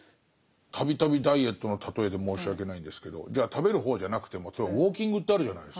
度々ダイエットの例えで申し訳ないんですけど食べる方じゃなくても例えばウォーキングってあるじゃないですか。